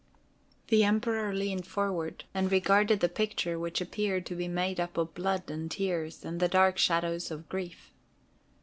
The Emperor leaned forward and regarded the picture, which appeared to be made up of blood and tears and the dark shadows of grief.